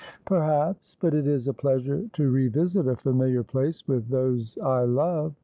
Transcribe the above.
• Perhaps ; but it is a pleasure to revisit a familiar place with those I love.